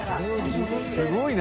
すごいな。